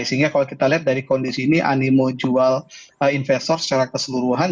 sehingga kalau kita lihat dari kondisi ini animo jual investor secara keseluruhan